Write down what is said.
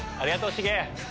シゲ。